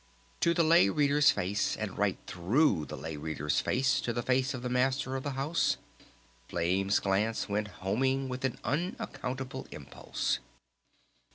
To the Lay Reader's face, and right through the Lay Reader's face, to the face of the Master of the House, Flame's glance went homing with an unaccountable impulse.